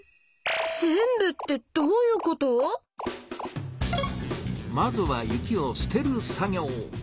全部ってどういうこと⁉まずは雪を「捨てる」作業。